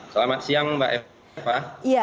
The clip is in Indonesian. selamat siang mbak eva